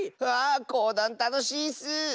わあこうだんたのしいッス！